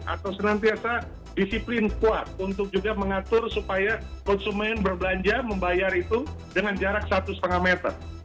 atau senantiasa disiplin kuat untuk juga mengatur supaya konsumen berbelanja membayar itu dengan jarak satu lima meter